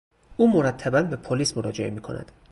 او مرتبا به پلیس مراجعه میکند.